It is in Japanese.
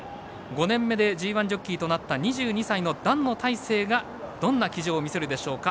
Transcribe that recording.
５年目でＧＩジョッキーとなった２２歳の団野大成がどんな騎乗をみせるでしょうか。